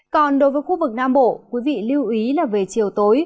còn đối với khu vực nam bộ quý vị lưu ý là về chiều tối